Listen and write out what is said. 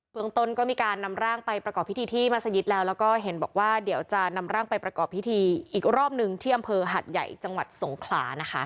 เมืองต้นก็มีการนำร่างไปประกอบพิธีที่มัศยิตแล้วแล้วก็เห็นบอกว่าเดี๋ยวจะนำร่างไปประกอบพิธีอีกรอบหนึ่งที่อำเภอหัดใหญ่จังหวัดสงขลานะคะ